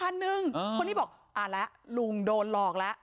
คนนี้บอกอ่าแล้วลุงโดนหลอกแล้ว